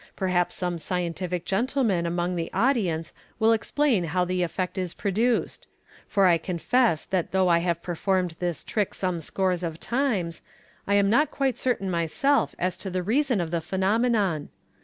Perhaps some scientific gentleman among the audience will explain how the effect is produced $ for I confess t'lat though I have performed this trick some scores of times, I am not quite certain myself as to the reason of the phenomenon.